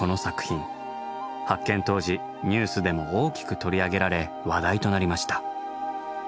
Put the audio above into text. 発見当時ニュースでも大きく取り上げられ話題となりました。